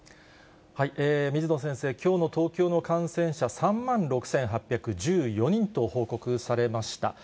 水野先生、きょうの東京の感染者、３万６８１４人と報告されました。